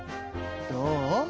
どう？